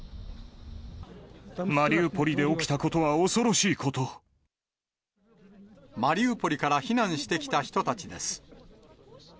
マリウポリで起きたことは恐マリウポリから避難してきた人たちです。